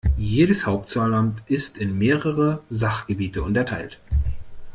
Jedes Hauptzollamt ist in mehrere Sachgebiete unterteilt.